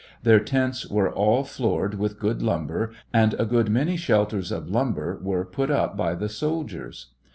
Their tents were all floored with good lumber, and a good many shelters of lumber were put up by the soldiers.